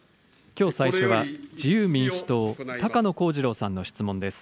きょう最初は、自由民主党、高野光二郎さんの質問です。